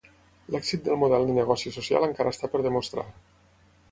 L'èxit del model de negoci social encara està per demostrar.